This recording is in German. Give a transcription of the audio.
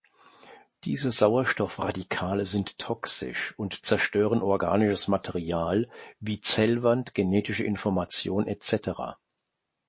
Diese Sauerstoffradikale sind toxisch und zerstören organisches Material, wie Zellwand, genetische Information etc.